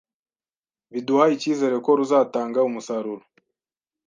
biduha icyizere ko ruzatanga umusaruro